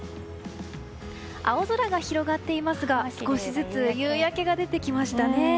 青空が広がっていますが少しずつ夕焼けが出てきましたね。